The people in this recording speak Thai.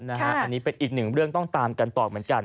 อันนี้เป็นอีกหนึ่งเรื่องต้องตามกันต่อเหมือนกัน